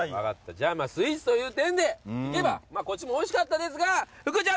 じゃあまぁスイーツという点でいけばこっちもおいしかったですが。